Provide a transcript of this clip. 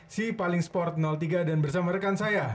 sipaling sport tiga dan bersama rekan saya